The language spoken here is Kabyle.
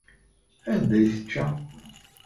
Anda ay tečča?